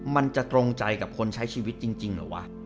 มันจะตรงใจกับคนใช้ชีวิตจริงเหรอวะ